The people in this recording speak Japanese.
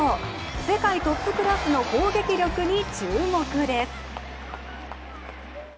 世界トップクラスの攻撃力に注目です。